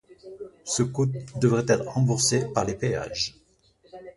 Ce coût devrait être remboursé par les péages.